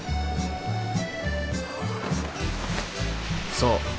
そう。